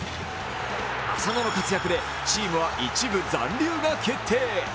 浅野の活躍でチームは１部残留が決定。